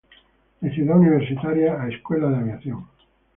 De Ciudad Universitaria a Escuela de Aviación.